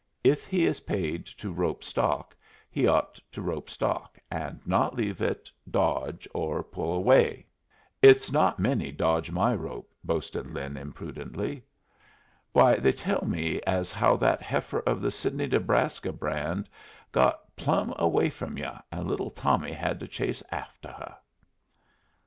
If he is paid to rope stock he ought to rope stock, and not leave it dodge or pull away." "It's not many dodge my rope," boasted Lin, imprudently. "Why, they tell me as how that heifer of the Sidney Nebraska brand got plumb away from yu', and little Tommy had to chase afteh her."